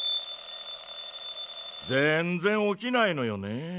ぜんぜんおきないのよね。